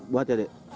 buat ya dek